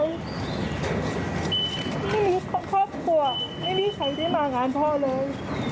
ไม่มีครอบครัวไม่มีใครได้มางานพ่อเลย